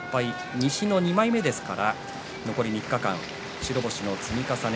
西の２枚目ですから残り３日間、白星の積み重ね